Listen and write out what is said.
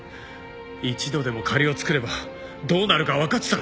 一度でも借りを作ればどうなるかわかってたろ。